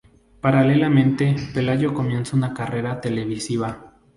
Paralelamente, Pelayo comienza una carrera televisiva.